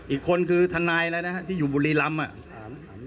อีกคนคือธนายนะครับที่อยู่บุรีรำอ่ะ